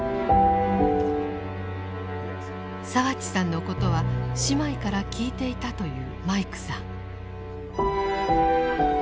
澤地さんのことは姉妹から聞いていたというマイクさん。